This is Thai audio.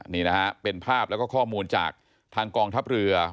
นี่นะฮะเป็นภาพแล้วก็ข้อมูลจากทางกองทัพเรือ